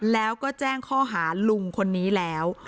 แล้วก็แจ้งข้อหาลุงคนนี้แล้ว